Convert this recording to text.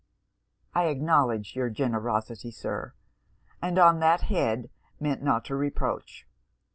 'I acknowledge your generosity, Sir, and on that head meant not to reproach.